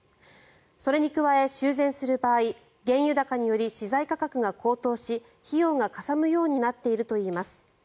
それに加え、修繕する場合原油高により資材価格が高騰し費用がかさむようになっているといいます。